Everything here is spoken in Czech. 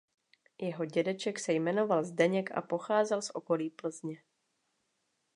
Jeho dědeček se jmenoval Zdeněk a pocházel z okolí Plzně.